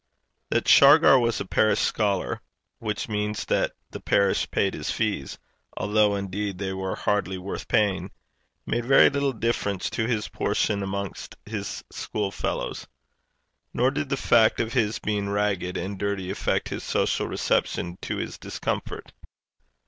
That Shargar was a parish scholar which means that the parish paid his fees, although, indeed, they were hardly worth paying made very little difference to his position amongst his school fellows. Nor did the fact of his being ragged and dirty affect his social reception to his discomfort.